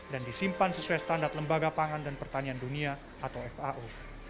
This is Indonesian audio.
dan disimpan sesuai standar lembaga pangan dan pertanian dunia atau fao